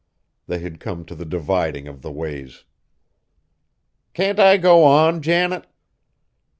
They had come to the dividing of the ways. "Can't I go on, Janet?"